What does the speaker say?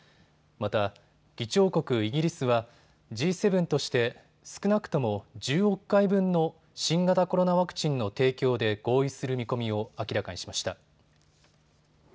また、議長国イギリスはＧ７として少なくとも１０億回分の新型コロナワクチンの提供で合意する見込みを明らかにしました。